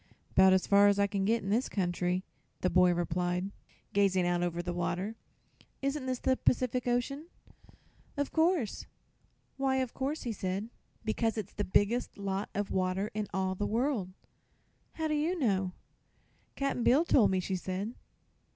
"'Bout as far as I can get, in this country," the boy replied, gazing out over the water. "Isn't this the Pacific Ocean?" "Of course." "Why of course?" he asked. "Because it's the biggest lot of water in all the world." "How do you know?" "Cap'n Bill told me," she said.